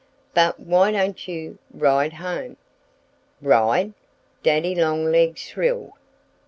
But why don't you ride home?" "Ride?" Daddy Longlegs shrilled.